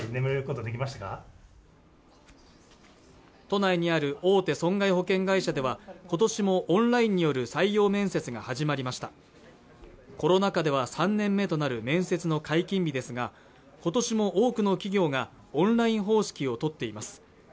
都内にある大手損害保険会社では今年もオンラインによる採用面接が始まりましたコロナ禍では３年目となる面接の解禁日ですが今年も多くの企業がオンライン方式をとっています